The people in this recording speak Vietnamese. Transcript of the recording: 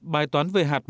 bài toán về hạt muối